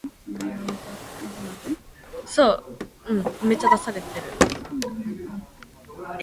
국회는 의장 일인과 부의장 이인을 선출한다.